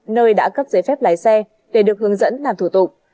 nơi đã cấp giấy phép lái xe để được hướng dẫn làm thủ tục